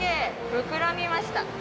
膨らみました。